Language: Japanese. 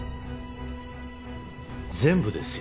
全部ですよ。